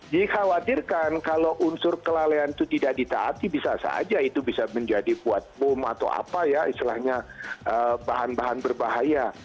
jadi khawatirkan kalau unsur kelalaian itu tidak ditaati bisa saja itu bisa menjadi buat bom atau apa ya istilahnya bahan bahan berbahaya